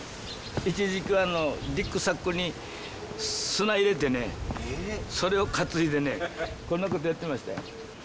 一時期リュックサックに砂入れてねそれを担いでねこんなことやってましたよ。